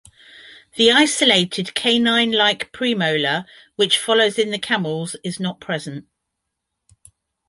The isolated canine-like premolar which follows in the camels is not present.